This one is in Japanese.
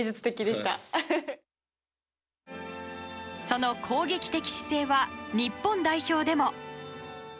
その攻撃的姿勢は日本代表でも。